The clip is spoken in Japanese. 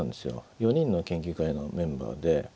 ４人の研究会のメンバーで。